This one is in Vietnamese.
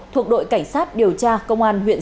thuộc đội cảnh sát điều tra công an huyện